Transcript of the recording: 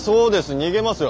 逃げますよ！